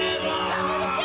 薫ちゃん！